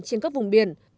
trên các vùng biển